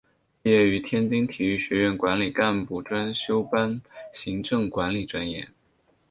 毕业于天津体育学院管理干部专修班行政管理专业。